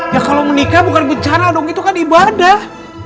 ya kalau menikah bukan bencana dong itu kan ibadah